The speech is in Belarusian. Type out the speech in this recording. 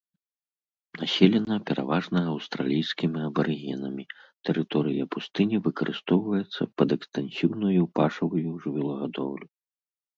Населена пераважна аўстралійскімі абарыгенамі, тэрыторыя пустыні выкарыстоўваецца пад экстэнсіўную пашавую жывёлагадоўлю.